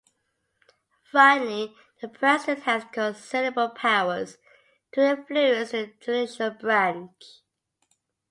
Finally, the President has considerable powers to influence the judicial branch.